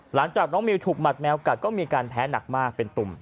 หลังจากน้องมิวถูกหมัดแมวกัดก็มีการแพ้หนักมากเป็นตุ่ม